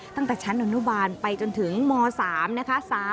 ตั้งแต่ชั้นอนุบาลไปจนถึงม๓นะคะ